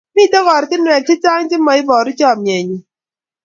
Mito ortinwek che chang' che muaboru chamyenyu